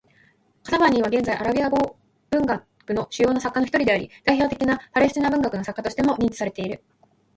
カナファーニーは、現代アラビア語文学の主要な作家の一人であり、代表的なパレスチナ文学の作家としても認知されている。